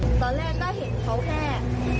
เนาะก็เห็นเขาแค่